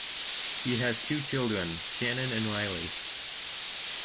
He has two children, Shannon and Riley.